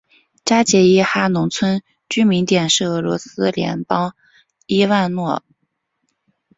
扎捷伊哈农村居民点是俄罗斯联邦伊万诺沃州普切日区所属的一个农村居民点。